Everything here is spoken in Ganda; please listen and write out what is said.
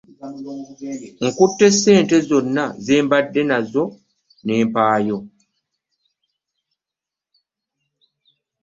Nkutte ssente zonna ze mbadde nazo ne mpaayo.